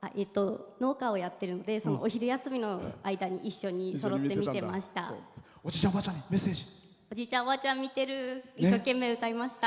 農家をやってるんでお昼休みの間にそろって一緒に見ていました。